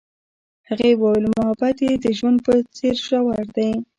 هغې وویل محبت یې د ژوند په څېر ژور دی.